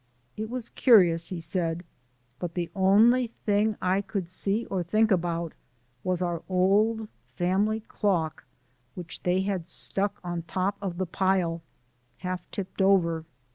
"It was curious," he said, "but the only thing I could see or think about was our old family clock which they had stuck on top of the pile, half tipped over.